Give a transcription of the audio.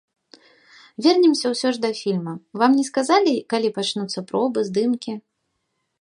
Вернемся ўсё ж да фільма, вам не сказалі, калі пачнуцца пробы, здымкі?